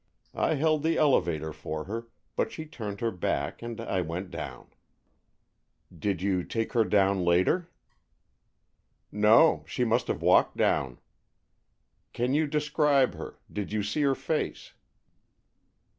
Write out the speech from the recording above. I held the elevator for her, but she turned her back and I went down." "Did you take her down later?" "No, she must have walked down." "Can you describe her? Did you see her face?"